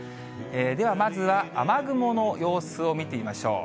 ではまずは雨雲の様子を見てみましょう。